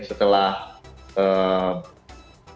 setelah penonton datang